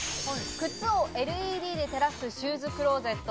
靴をＬＥＤで照らすシューズクローゼット。